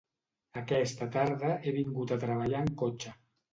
Aquesta tarda he vingut a treballar en cotxe